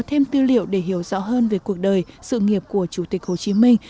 thêm tiêu liệu để hiểu rõ hơn về cuộc đời sự nghiệp của chủ tịch hồ chí minh